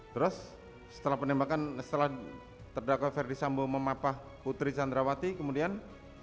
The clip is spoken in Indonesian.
terus setelah penembakan setelah terdakwa ferdis sambo memapah putri candrawati kemudian